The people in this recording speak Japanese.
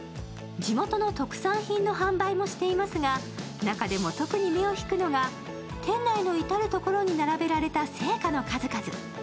地元の特産品の販売もしていますが、中でも特に目を引くのが店内の至る所に並べられた生花の数々。